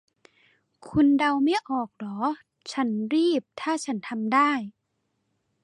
คุณเดาไม่ออกเหรอ 'ฉันรีบถ้าฉันทำได้'